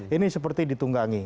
ini seperti ditunggangi